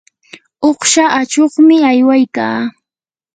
uqsha achuqmi aywaykaa.